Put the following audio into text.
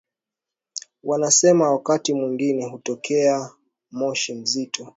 Wanasema wakati mwingine hutokea moshi mzito